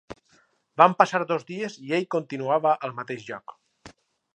Van passar dos dies i ell continuava al mateix lloc.